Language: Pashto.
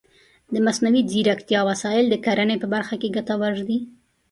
د مصنوعي ځیرکتیا وسایل د کرنې په برخه کې ګټور دي.